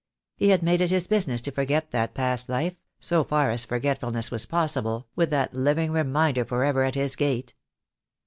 He had made it his busi ness to forget that past life, so far as forgetfulness was possible, with that living reminder for ever at his gate.